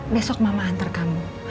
besok mama antar kamu